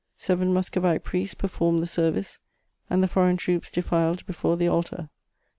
Seven Muscovite priests performed the service, and the foreign troops defiled before the altar.